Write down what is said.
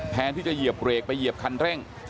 แทนที่จะเหยียบเบรกไปเหยียบคันเร่ง